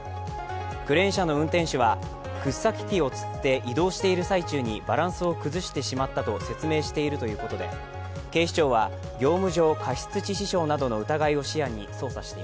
クレーン車の運転手は掘削機をつって移動している最中にバランスを崩してしまったと説明しているということでマスク外す人が増えましたね。